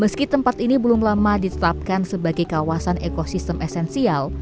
meski tempat ini belum lama ditetapkan sebagai kawasan ekosistem esensial